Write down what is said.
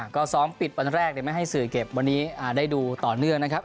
ก็ซ้อมปิดวันแรกไม่ให้สื่อเก็บวันนี้ได้ดูต่อเนื่องนะครับ